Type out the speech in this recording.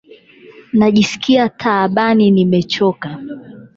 Najiskia taabani nimechoka.